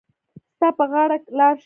ستا به په غاړه لار شي.